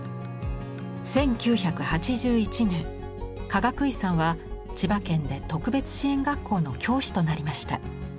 １９８１年かがくいさんは千葉県で特別支援学校の教師となりました。